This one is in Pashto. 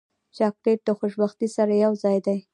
چاکلېټ له خوشبختۍ سره یوځای دی.